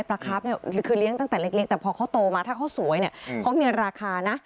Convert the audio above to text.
ปลาครับเนี่ยคือเลี้ยงตั้งแต่เล็กแต่พอเขาโตมาถ้าเขาสวยเนี่ยเขามีราคานะ